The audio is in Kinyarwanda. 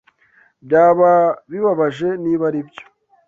Byaba bibabaje niba aribyo.